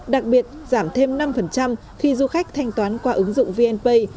đặc biệt giảm thêm năm khi du khách thanh toán qua ứng dụng vnpay